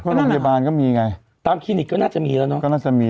เพราะโรงพยาบาลก็มีไงตามคลินิกก็น่าจะมีแล้วเนาะก็น่าจะมี